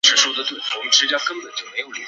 他屡次向唐朝遣使朝贡。